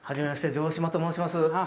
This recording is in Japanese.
城島と申します。